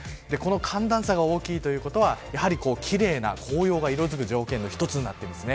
寒暖差が大きいということはやはり奇麗に紅葉が色づく条件の一つになります。